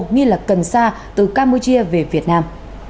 nghi lập cần xa từ campuchia về việt nam